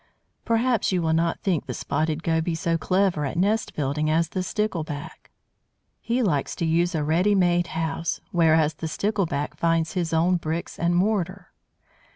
Perhaps you will not think the Spotted Goby so clever at nest building as the Stickleback. He likes to use a "ready made" house, whereas the Stickleback finds his own "bricks and mortar."